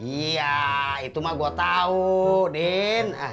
iya itu mah gue tau din